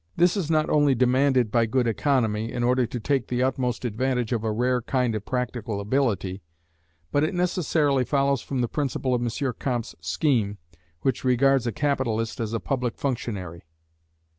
This is not only demanded by good economy, in order to take the utmost advantage of a rare kind of practical ability, but it necessarily follows from the principle of M. Comte's scheme, which regards a capitalist as a public functionary.